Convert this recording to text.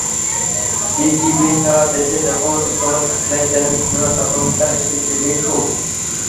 BTV ছাড়া দেশে যখন কোনো স্যাটেলাইট চ্যানেল ছিল না, তখনকার শিল্পী মিঠু।